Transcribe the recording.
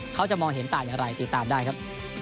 เขาจะมองเห็นต่างอย่างไรติดตามได้ครับ